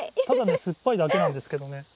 ただね酸っぱいだけなんですけどね。